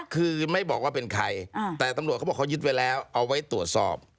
คือไม่บอกว่าเป็นใครแต่ตำรวจเขาบอกเขายึดไว้แล้วเอาไว้ตรวจสอบ